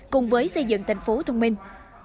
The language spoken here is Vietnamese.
cùng với xây dựng thành phố thông minh